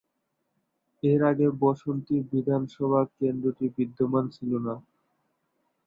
এর আগে বাসন্তী বিধানসভা কেন্দ্রটি বিদ্যমান ছিল না।